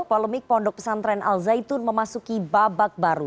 polemik pondok pesantren al zaitun memasuki babak baru